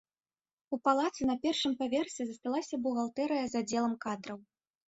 У палацы на першым паверсе засталася бухгалтэрыя з аддзелам кадраў.